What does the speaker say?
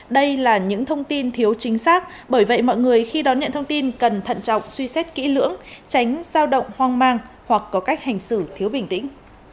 đây là những thông tin thiếu chính xác bởi vậy mọi người khi đón nhận thông tin cần thận trọng suy xét kỹ lưỡng tránh sao động hoang mang hoặc có cách hành xử thiếu bình tĩnh